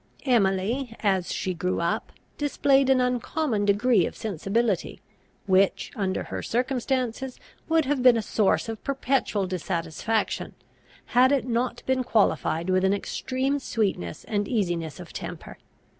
Emily, as she grew up, displayed an uncommon degree of sensibility, which under her circumstances would have been a source of perpetual dissatisfaction, had it not been qualified with an extreme sweetness and easiness of temper.